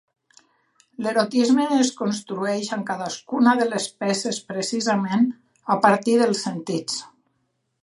L'erotisme es construeix en cadascuna de les peces precisament a partir dels sentits.